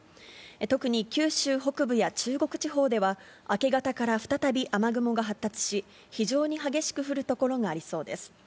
特に九州北部や中国地方では、明け方から再び、雨雲が発達し、非常に激しく降る所がありそうです。